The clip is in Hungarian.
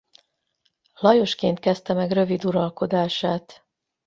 Lajosként kezdte meg rövid uralkodását.